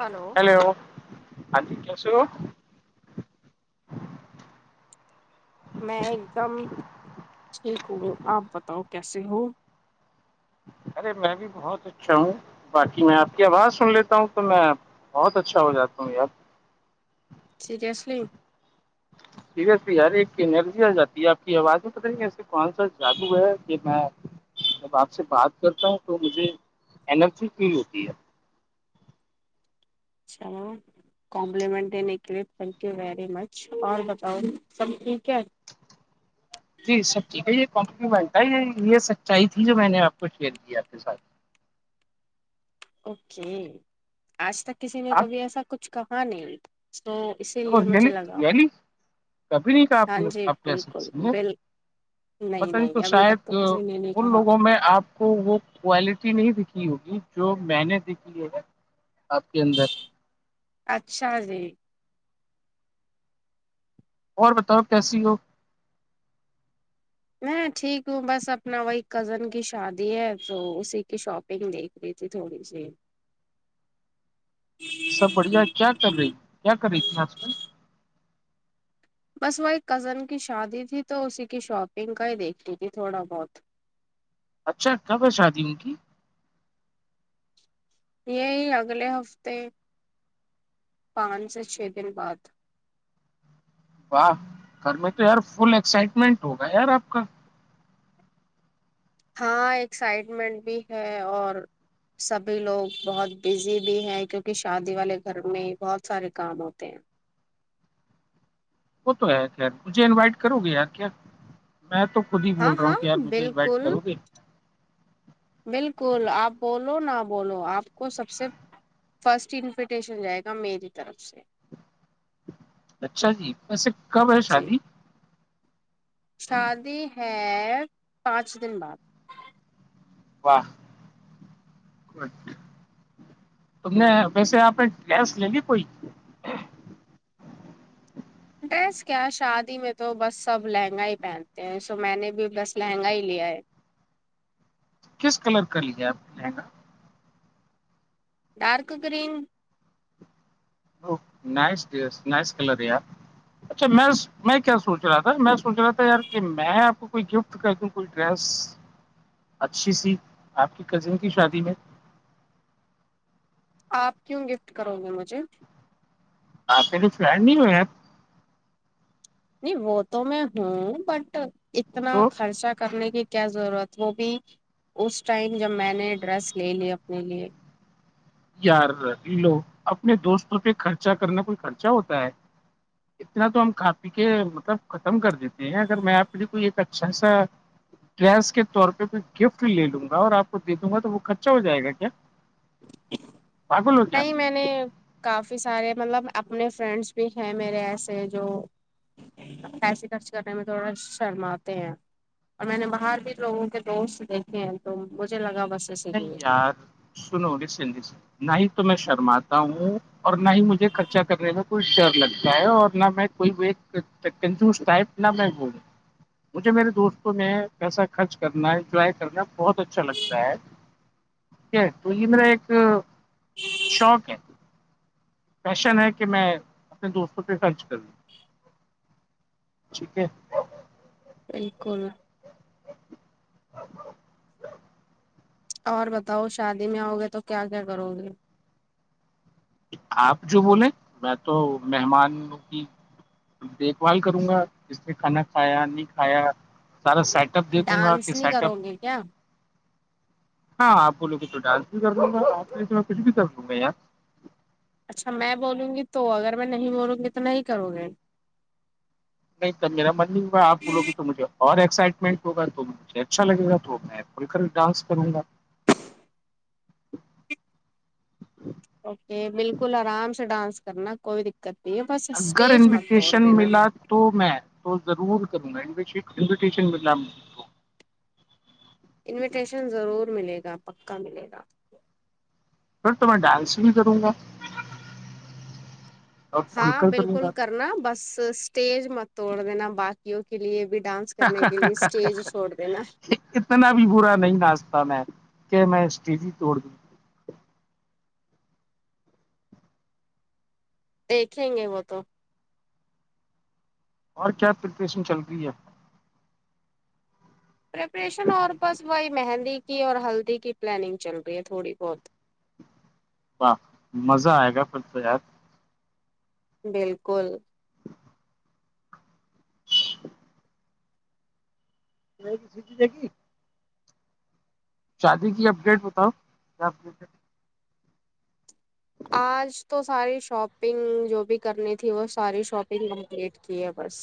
hello ہ جی کیسو میں ایک دم ٹھیک ہوں آپ بتاؤ کیسے ہو ارے میں بھی بہت اچھا ہوں باقی میں آپ کی آواز سن لیتا ہوں تو میں بہت اچھا ہو جاتا ہوں یار سرییاسلی سیریسلی یار ایک انرجی آ جاتی ہے آپ کی آوازیں بتائیں گے ایسے کون سا جادو ہے کہ میں جب آپ سے بات کرتا ہوں تو مجھے انرجی فیل ہوتی ہے چ چلو کمپلیمنٹ دینے کے لیے تھینک یو ویری مچ اور بتاؤ سب ٹھیک ہے جی سب ھیک ہے یہم یہ یہ سچائی تھی جو میں نے آپ کو شیئر کی آپ کے ساتھ اوکے آج تک کسی نے کبھی ایسا کچھ کہا نہیں تو اسی لیے یع مجھے لگا یعنی کبھی نہیں کہ ہاں جی آپ کہ بالکل سکتی ہیں بل پت نہیں تو ابھی تک شاید تو کسی نے نہیں ان کہا لوگوں میں آپ آ کو وہ کوالٹی نہیں دھی ہوگی جو میں نے دیکھی ہے آپ کے اندر اچھا جی اور بتاؤ کیسی ہو میں ٹھیک ہوں بس اپنا وہی کزن کی شادی ہے تو اسی کی شاپ گ دیکھ رہی تھی تھوڑی سی سب بڑھیا کیا کر رہی کیا کر رہی تنی آج کل بس وہ ایک کزن کی شادی تھی تو اسی کی شاپنگ کا ہی دیکھتی تھی تھوڑا بہت اچھا کب ہے شادی ان کی یہی اگلے ہفتے پانچ سے چھ دن بعد واہ گھر میں تو یار فل ایکسائٹمنٹ ہوگا یار آپ کا ہاں ایکسائٹمنٹ بھی ہے اور سبھی لوگ بہت بزی بھی ہیں کیونکہ شادی والے گھر میں بہت سارے کام ہوتے ہیں وہ تو ہے خیر مجھے انوائٹ کرو گی یار کیا میں تو خود ہی ہاں بول رہا ہوں ہاں کہیار مجھے انوائٹ بالکل کرو گے بالکل آپ بولو نہ بولو آپ کو سب سے فرسٹ انویٹیشن جائے گا میری طرف سے اچھا جی ویسے کب ہے جی شادی شادی ہے پانچ دن بعد واہ تم نے ہوں ویسے آپ نے گیس لےینی کوئی ڈریس کیا شادی میں تو بس سب لہنگا ہی پہنتے ہیں سو میں نے بھی بس لہنگا ہی لیا ہے کس کلر کر لیا آپ نے لہنگا ڈارک گرین نائ نائس کلریا اچھا میں میں کیا سوچ رہا تھا میں سوچ رہا تھا یار کہ میں آپ کو کوئی گفٹ تو کہتیوں کوئی ڈریس اچھی سی آپ کی کزن کی شادی میں آپ کیوں گفٹ کرو گے مجھے آپ پ تو فلڈ نہیں ہوئےپ نہیں وہ تو میں ہوں بٹ اتنا تو خرچا کرنے کی کیا ضرورت وہ بھی اس ٹائم جب میں نے ڈریس لے لی اپنے لیے یار لو اپنے دوستوں پہ خرچا کرنا کوئی خرچہ ہوتا ہے [inaudible] اتنا تو ہم کاپی کے مطلب ختم کر دیتے ہیں اگر میں اپ لیے کوئی ایک اچھا سا ٹس کے طور پہ کوئی گفٹ لے لوں گا اور آپ کو دے دوں گا تو وہ خچا ہو جائے گا کیا پاگل ہو گیا نہیں میں نے کافی سارے مطلب اپنے فرینڈس بھی ہیں میرے ایسے جو پسے خرچ کرنے میں تھوڑا شرم آتے ہیں اور میں نے باہر بھی لوگوں کے دوست دیکھے ہیں تو مجھے لگا بس اسی نہیں لیے یار سنو ن سند سے نہیں ہی تو میں شرماتا ہوں اور نہ ہی مجھے خرچہ کرنے میں کوئی ڈر لگتا ہے اور نہ میں کوئی و کنفوز ٹائپ نہ میں بول مجھے میرے دوستوں میں پیسہ خرچ کرنا انجوائے کرنا بہت اچھا لگتا ہے تو یہ میرا ایک شوق ہے پیشن ہے کہ میں اپنے دوستوں پہ خرچ کروں ٹھیک ہے بالکل اور بتاؤ شادی میں آؤ گے تو کیا کیا کرو گے آپ جو بولے میں تو مہمان کی دیکھ بھال کروں گا اس نے کھانا کھایا نہیں کھایا سارا سیٹ اپ دیکھوں گا ڈانس کہ نہیں سیٹ اپ کرو گے کیا ہاں آپ بولو کہ تو ڈانس بھی کر لوں گا میں کچھ بھی کر لوں گا اں اچھا میں بولوں گی تو اگر میں نہیں بولوں گی تو نہیں کروں گی نہیں ت میرا من نہیں میں آپ بولو گی تو مجھے اور ایکسائٹمنٹ ہوگا تو مجھے اچھا لگ گا تو میں کھل کر ڈانس کروں گا اوکے بالکل آرام سے ڈانس کرنا کوئی دقت نہیں ہے بس اگر اسٹیج مت توڑ انویٹیشن دینا ملا تو میں تو ضرور کروں گا انویٹیشن ملناھ انویٹیشن ضرور ملے گا پکا ملے گا سر تو میں ڈانس بھی کروں گا اور کھل ہاں کر کروں بالکل گا کرنا بس اسٹیج مت توڑ دینا باقیوں کے لیے بھی ڈانس کرنے کے لیے اسٹیج چھوڑ د نا اتنا بھی با نہیں ناچتا میں کہ میں اسٹیزی توڑ دوں دیکھیں گے وہ تو اور کیا پریپریشن چل رہی ہے پریپریشن اور بس وہی مہندی کی اور ہلدی کی پلاننگ چل رہی ہے تھوڑی بہت واہ مزہ آئے گا پھر تو یار بالکل نہیں سٹی جگی شادی کی اپڈیٹ بتاؤ کیا اپڈیٹ ہے آج تو ساری شاپنگ جو بھی کرنی تھی وہ ساری شاپنگ کمپلیٹ کی ہے بس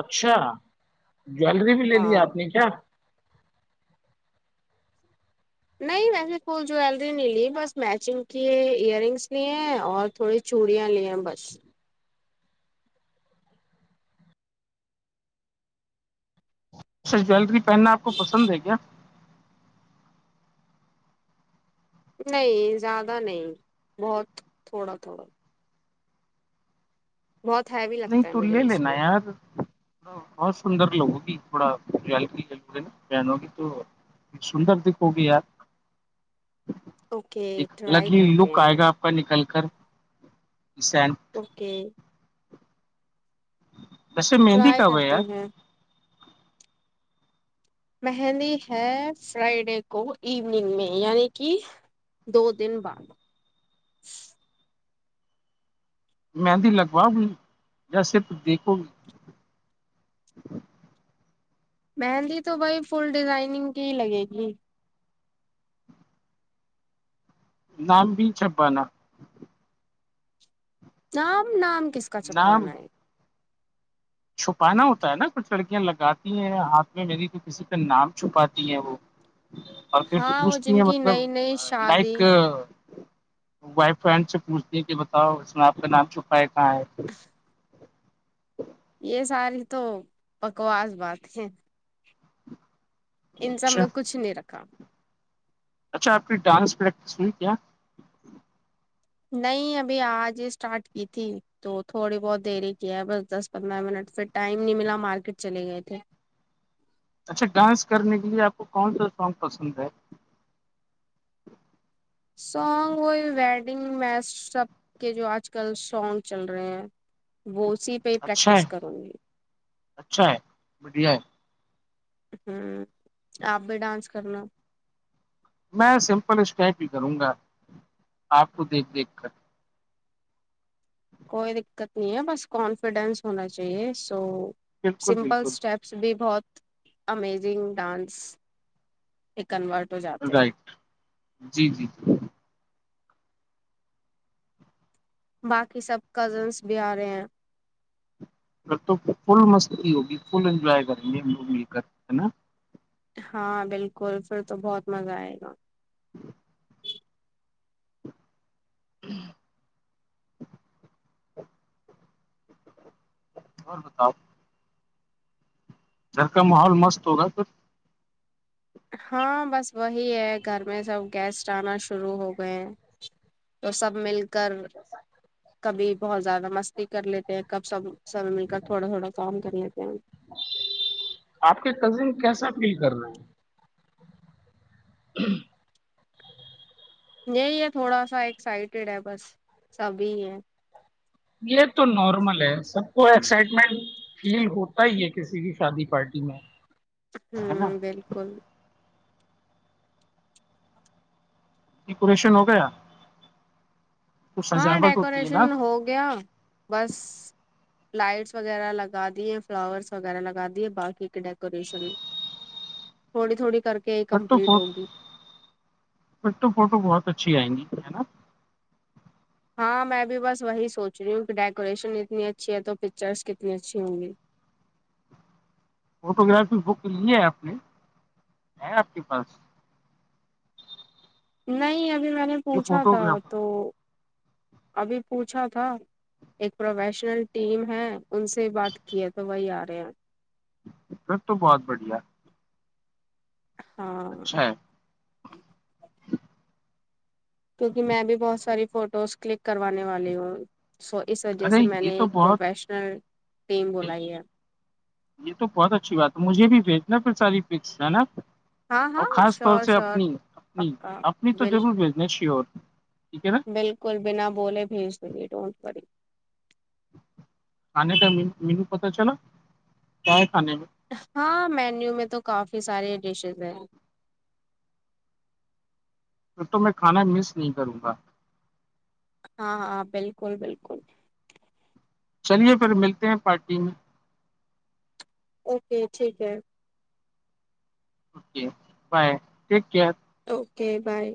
اچھا جویلری بھی لے لی ہاں آپ نے کیا نہیں ویسے فل جویلری نہیں لی بس میچنگ کی ہے ایئر رنگس لیے ہیں اور تھوڑی چوڑں لیا بس سر جویلری پہننا آپ کو پسند ہے کیا نہیں زیادہ نہیں بہت تھوڑا تھوڑا بہت ہے بھی نہیں لگتا تو لے لینا یار بہت سندر لوگوں کی تھوڑا خللے نا پانوںی تو ایک سندر دکھ ہوگی یار اوکے ایک ٹرائی الگلی کرتے لک آئے ہیں گا پر نکل کر سین اوکے جسے مہندی ٹرائی کاب ہے کرتے یار ہیں مہندی ہے فرائیڈے کو ایوننگ میں یعنی کہ دو دن بعد مہندی لگواؤ گی یا صرف دیکھو گ مہندی تو بھائی فل ڈیزائننگ کی ہی لگے گی نام بھی چبانا نام نام کس کا نام چپوانا ہے چھپانا ہوتا ہے نا کچھ لڑکیاں لگاتی ہیں ہاتھ میں میری تو کسی کا نام چھپاتی ہیں وہ [inaudible] اور پھر وہ پوچھتی جن ہیں کی مطلب نئی نئی شادی لائک وائف فرینڈ سے پوچھتی ہیں کہ بتاؤ اس میں آپ کا نام چھپا ہے کہاں ہے یہ ساری تو بکواس بات ہے ان سب اچھا میں کچھ نہیں رکھا اچھا آپ کی ڈانس پریکٹس ہوئی کیا نہیں ابھی آج ہی اسٹارٹ کی تھی تو تھوڑی بہت دری کیا ہے بس دس پندرہ منٹ پھر ٹائم نہیں ملا مارکیٹ چلے گئے تھے اچھا ڈانس کرنے کے لیے آپ کو کون سا سانگ پسند ہے سانگ وہی ویڈنگ میچ سب کے جو آج کل سانگ چل رہے ہیں وہ اسی پہ ہی اچھا ہے پریکٹس کروں گی اچھا ہے بھیا ہے ہوں آپ بھی ڈانس کرنا میں سمپل اسکپ بھی کروں گا آپ کو دیکھ دیکھ کر کوئی دقت نہیں ہے بس کانفیڈینس ہونا چاہیے سو بالکل سمپل بالکل اسٹیپ بھی بہت امیزنگ ڈانس ا کنورٹ ہو جاتے ہیں رائٹ جی جی جی باقی سب کزنس بھی آ رہے ہیں ا تو فل مستی ہوگی فل انجوائے کریں گے ہم لوگ مل کر ہے نا ہاں بالکل پھر تو بہت مزہ آئے گا اور بتاؤ گھر کا ماحول مست ہوگا پھر ہاں بس وہی ہے گھر میں سب گیسٹ آنا شروع ہو گئے ہیں تو سب مل کر کبھی بہت زیادہ مستی کر لیتے ہیں کب سب سب مل کر تھوڑا تھوڑا کام کر لیتے ہیں آپ کے تظیم کیسا فیل کر رہے ہیں ہ یہ ہے تھوڑا سا ایکسائٹیڈ ہے بس سبھی ہے یہ تو نارمل ہے سب کو ایکسائٹمنٹ فیل ہوتا ہی ہے کسی بھی شادی پارٹی میں ہے نا ہاں بالکل ڈیکوریشن ہو گیا تو ہاں سجاوٹ ہوتی ہے ڈیکوریشن نا ہو گیا بس لائٹس وغیرہ لگا دیئے فلاورس وغیرہ لگا دیے باقی کے ڈیکوریشن تھوی تھوڑی کر کے ہی پ تو کمپلیٹ فٹو ہوگی پ تو فوٹو بہت اچھی آئیں گی ہے نا ہاں میں بھی بس وہی سوچ رہی ہوں کہ ڈیکوریشن اتنی اچھی ہے تو پکچرس کتنی اچھی ہوں گی فوٹو گرافی بک کے لی ہے آپ نے ہے آپ کے پاس نہیں ابھی میں نے جو پوچھا تھا فوٹوگرافر تو ابھی پوچھا تھا ایک پروفیشنل ٹیم ہے ان سے بات کی ہے تو وہی آ رہے ہیں دقت تو بہت بڑھیا ہاں اچھا ہے کیوںکہ میں بھی بہت ساری فوٹوز کلک کروانے والی ہوں سو اس وجہ ارے سے میں یہ نے تو ایک بہت پروفیشنل ٹیم بلائی ہے یہ تو بہت اچھی بات ہے مجھے بھیجنا پھر ساری پکس ہے نا ہاں اور ہاں خاص طور شور سے شور اپنی اپنی پکا اپنی تو بل ضرور بھیجنا شیور ٹھیک ہے نا بالکل بنا بولے بھیج دییے ڈونٹ ی کھانے کا مینو پتا چلا کیا ہے کھانے میں ہاں مینیو میں تو کافی سارے ڈشیز ہیں پ تو میں کھانا مس نہیں کروں گا ہاں ہاں بالکل بالکل چلیے پھر ملتے ہیں پارٹی میں اوکے ٹھیک ہے okay bye take care okay bye